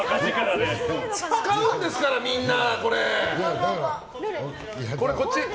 使うんですから、みんな。